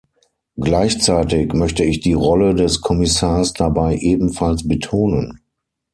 Gleichzeitig möchte ich die Rolle des Kommissars dabei ebenfalls betonen.